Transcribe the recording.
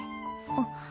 あっ。